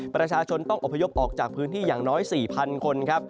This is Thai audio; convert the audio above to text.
ประชาชนต้องอบพยพออกจากพื้นที่อย่างน้อย๔๐๐คนครับ